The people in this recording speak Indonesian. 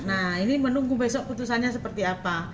nah ini menunggu besok putusannya seperti apa